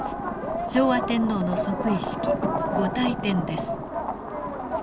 昭和天皇の即位式御大典です。